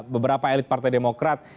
beberapa elit partai demokrat